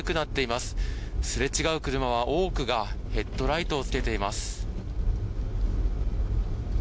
すれ違う車は多くがヘッドライトをつけています。